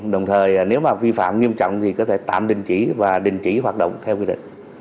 đồng thời nếu mà vi phạm nghiêm trọng thì có thể tạm đình chỉ và đình chỉ hoạt động theo quy định